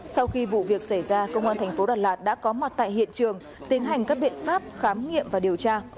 sau khi vụ việc xảy ra công an thành phố đà lạt đã có mặt tại hiện trường tiến hành các biện pháp khám nghiệm và điều tra